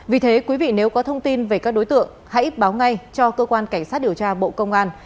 vì thế quý vị nếu có thông tin về các đối tượng hãy báo ngay cho cơ quan cảnh sát điều tra bộ công an